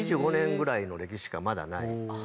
２５年くらいの歴史しかまだない。